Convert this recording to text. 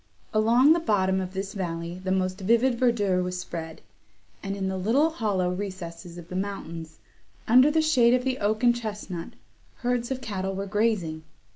Along the bottom of this valley the most vivid verdure was spread; and, in the little hollow recesses of the mountains, under the shade of the oak and chestnut, herds of cattle were grazing.